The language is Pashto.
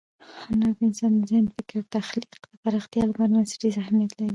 هنر د انسان د ذهن، فکر او تخلیق د پراختیا لپاره بنسټیز اهمیت لري.